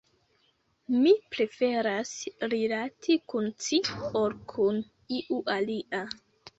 mi preferas rilati kun ci, ol kun iu alia.